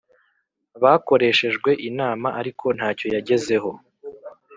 Bakoreshejwe inama ariko ntacyo yagezeho